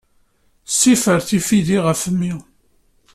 Sifer tifidi ɣef mmi.